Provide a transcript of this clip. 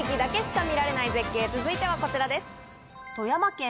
続いてはこちらです。